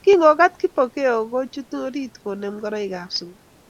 Kingokat Kipokeo kochut orit konem ngoroikab sukul